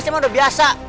semua udah biasa